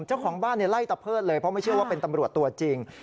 เจ้าของบ้านไล่ตะเพิดเลยเพราะไม่เชื่อว่าเป็นตำรวจตัวจริง